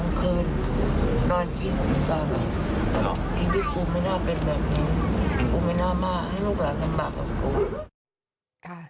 อุ๊ยเหล็กหลุดคืออะไร